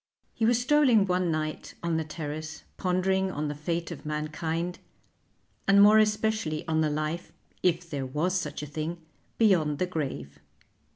He was strolling one night on the terrace pondering on the fate of mankind, and more especially on the life if there was such a thing beyond the grave.